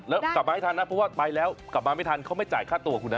แล้วกลับมาให้ทันนะเพราะว่าไปแล้วกลับมาไม่ทันเขาไม่จ่ายค่าตัวคุณนะ